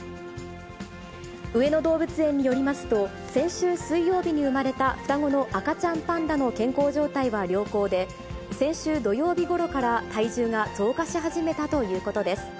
上野動物園によりますと、先週水曜日に産まれた双子の赤ちゃんパンダの健康状態は良好で、先週土曜日ごろから体重が増加し始めたということです。